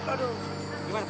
pak lihat orang ini gak